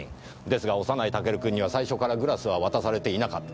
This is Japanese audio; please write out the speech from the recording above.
ですが幼いタケル君には最初からグラスは渡されていなかった。